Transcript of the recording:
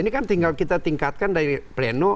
ini kan tinggal kita tingkatkan dari pleno